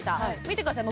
見てください